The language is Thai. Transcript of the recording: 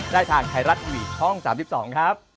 ได้ทางไทยรัตน์อิวียช่อง๓๒ครับ